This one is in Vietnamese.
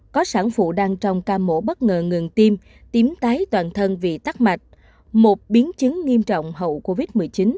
có sản phụ đang trong ca mổ bất ngờ ngừng tim tím tái toàn thân vì tắc mạch một biến chứng nghiêm trọng hậu covid một mươi chín